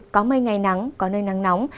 có mây ngày nắng có nơi nắng nóng